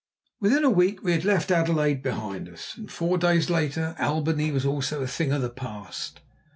Within the week we had left Adelaide behind us, and four days later Albany was also a thing of the past.